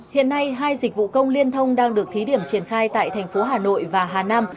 hiện nay hai dịch vụ công liên thông đang được thí điểm triển khai tại thành phố hà nội và hà nam